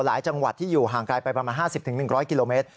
จังหวัดที่อยู่ห่างไกลไปประมาณ๕๐๑๐๐กิโลเมตร